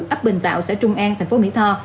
ấp bình tạo xã trung an thành phố mỹ tho